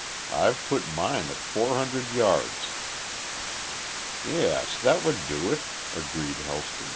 "I've put mine at four hundred yards." "Yes. That would do it," agreed Helston.